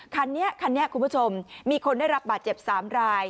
คันนี้คันนี้คุณผู้ชมมีคนได้รับบาดเจ็บ๓ราย